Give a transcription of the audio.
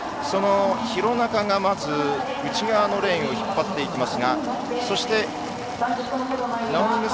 廣中がまず内側のレーン引っ張っていきます。